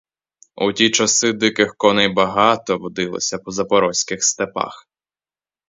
У ті часи диких коней багато водилося по запорозьких степах.